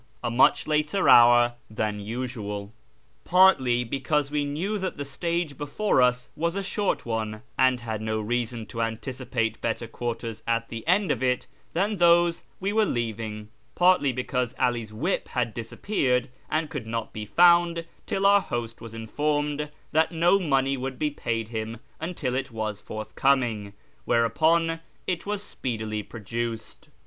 (a much later hour than usual), partly because we knew that the stage before us was a short one, and had no reason to anticipate better quarters at the end of it than those we were leaving; partly because 'All's whip had disappeared, and could not be found till our host was informed that no money would be paid him until it was forth coming ; whereupon it was speedily produced.